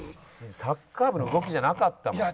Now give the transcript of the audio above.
サッカー部の動きじゃなかったもん。